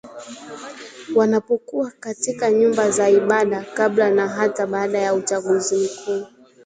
wanapokuwa katika nyumba za ibada kabla na hata baada ya uchaguzi mkuu